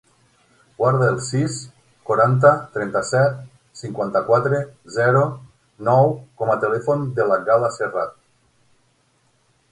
Guarda el sis, quaranta, trenta-set, cinquanta-quatre, zero, nou com a telèfon de la Gal·la Serrat.